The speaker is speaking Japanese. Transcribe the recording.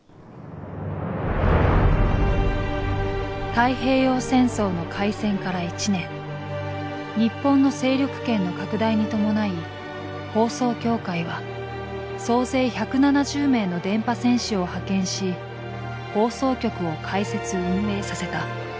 太平洋戦争の開戦から１年日本の勢力圏の拡大に伴い放送協会は総勢１７０名の電波戦士を派遣し放送局を開設運営させた。